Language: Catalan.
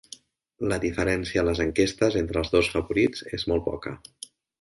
La diferència a les enquestes entre els dos favorits és molt poca